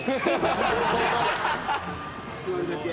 座るだけ。